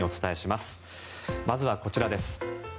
まずはこちらです。